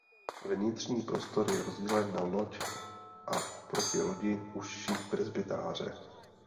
Vnitřní prostor je rozdělen na loď a oproti lodi užší presbytáře.